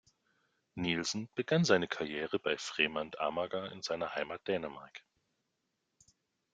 Nielsen begann seine Karriere bei Fremad Amager in seiner Heimat Dänemark.